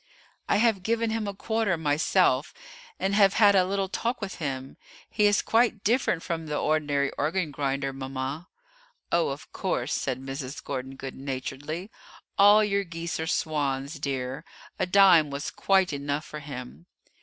"I have given him a quarter myself, and have had a little talk with him; he is quite different from the ordinary organ grinder, mama." "Oh, of course," said Mrs. Gordon good naturedly; "all your geese are swans, dear; a dime was quite enough for him."